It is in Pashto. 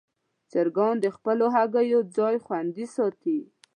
چرګان د خپلو هګیو ځای خوندي ساتي.